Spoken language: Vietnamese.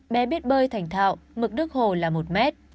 bé biết bơi thành thạo mực nước hồ là một mét